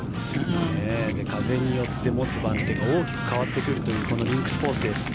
風によって持つ番手が大きく変わってくるというこのリンクスコースです。